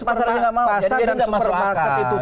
pasang ke supermarket itu